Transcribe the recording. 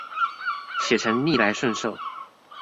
寫成逆來順受